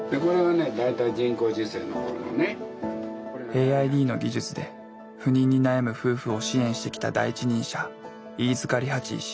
ＡＩＤの技術で不妊に悩む夫婦を支援してきた第一人者飯塚理八医師。